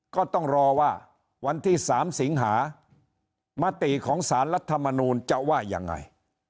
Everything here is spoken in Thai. ก็ต้องรอว่าวันที่๓สิงหามติของสารรัฐมนูลจะว่ายังไง